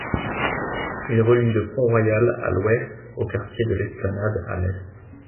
Il relie le Pont Royal à l'Ouest au quartier de l'Esplanade à l'Est.